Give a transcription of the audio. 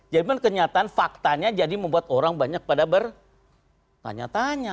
jadi kan kenyataan faktanya jadi membuat orang banyak pada bertanya tanya